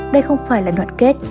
đây không phải là đoạn kết